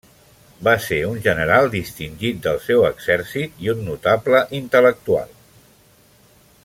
Va ser un general distingit del seu exèrcit i un notable intel·lectual.